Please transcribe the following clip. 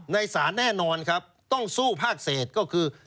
ในศาลแน่นอนครับต้องสู้ภาคเศษก็คือ